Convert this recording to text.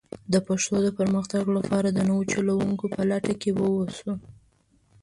د پښتو د پرمختګ لپاره د نوو چلوونکو په لټه کې ووسو.